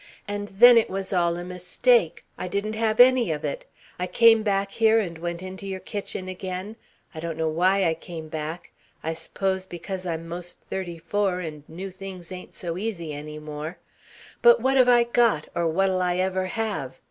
And then it was all a mistake. I didn't have any of it. I came back here and went into your kitchen again I don't know why I came back. I s'pose because I'm most thirty four and new things ain't so easy any more but what have I got or what'll I ever have?